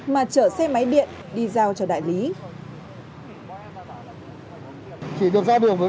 mà chở xe máy điện đi giao cho đại lý